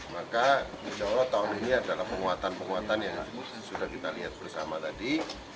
maka insya allah tahun ini adalah penguatan penguatan yang sudah kita lihat bersama tadi